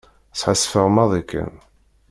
Sḥassfeɣ maḍi kan.